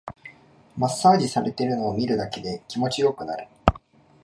マッサージされてるのを見るだけで気持ちよくなる